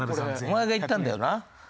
お前が言ったんだよな？